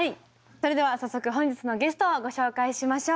それでは早速本日のゲストをご紹介しましょう。